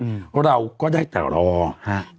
เพราะเราก็ได้แต่รอฮะ